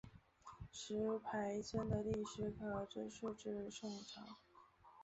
石牌村的历史可追溯至宋朝。